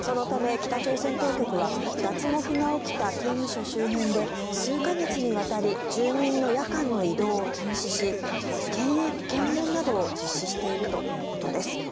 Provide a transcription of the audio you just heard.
そのため、北朝鮮当局は脱獄が起きた刑務所周辺で数か月にわたり住民の夜間の移動を禁止し検問などを実施しているということです。